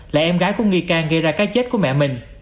là em gái của nghi can gây ra cái chết của mẹ mình